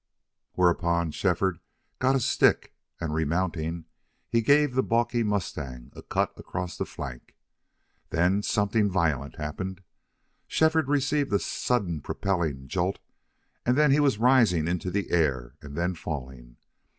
Whereupon Shefford got a stick and, remounting, he gave the balky mustang a cut across the flank. Then something violent happened. Shefford received a sudden propelling jolt, and then he was rising into the air, and then falling.